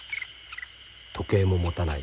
時計も持たない。